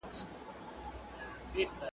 بیا په خپل مدارکي نه سي ګرځېدلای .